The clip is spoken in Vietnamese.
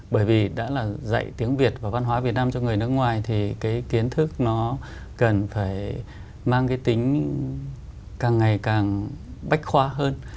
bởi vì đã là dạy tiếng việt và văn hóa việt nam cho người nước ngoài thì cái kiến thức nó cần phải mang cái tính càng ngày càng bách khoa hơn